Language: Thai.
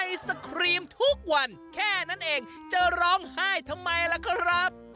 ไอศครีมทุกวันแค่นั้นเองจะร้องไห้ทำไมล่ะครับ